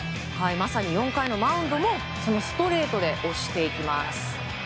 まさに４回のマウンドもストレートで押していきます。